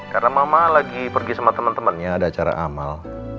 karena mama lagi pergi sama temen temennya ada acara amal